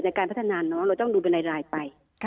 การพัฒนาน้องเราต้องดูเป็นรายไป